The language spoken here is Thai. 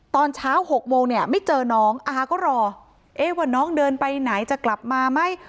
ตอนเช้า๖โมงเนี่ยไม่เจอน้องอาก็รอเอ๊ะว่าน้องเดินไปไหนจะกลับมาไหม